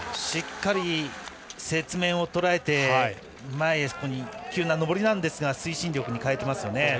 しっかり雪面をとらえて前へ、急な上りなんですが推進力に変えていますね。